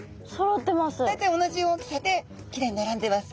大体同じ大きさできれいにならんでます。